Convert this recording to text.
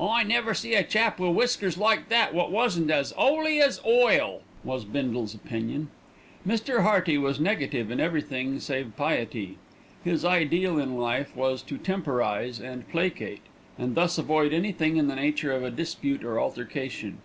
"I never see a chap wi' whiskers like that wot wasn't as 'oly as oil," was Bindle's opinion. Mr. Hearty was negative in everything save piety. His ideal in life was to temporise and placate, and thus avoid anything in the nature of a dispute or altercation.